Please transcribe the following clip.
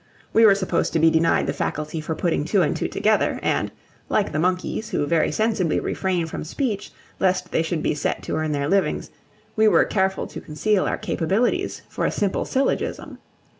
We were supposed to be denied the faculty for putting two and two together; and, like the monkeys, who very sensibly refrain from speech lest they should be set to earn their livings, we were careful to conceal our capabilities for a simple syllogism.